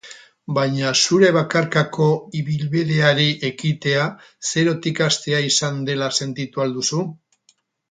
Baina zure bakarkako ibilbideari ekitea zerotik hastea izan dela sentitu al duzu?